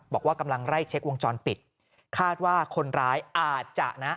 บอกว่ากำลังไล่เช็ควงจรปิดคาดว่าคนร้ายอาจจะนะ